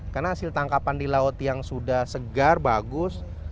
karena hasil tangkapan di laut yang sudah segar bagus